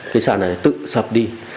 cái sàn này tự sập đi